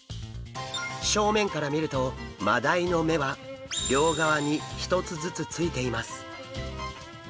正面から見るとマダイの目は両側に１つずつついています。